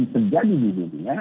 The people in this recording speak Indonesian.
sejadi di dunia